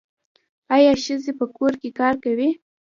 آیا ښځې په کور کې کار کوي؟